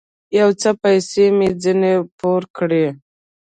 يو څه پيسې مې ځنې پور کړې.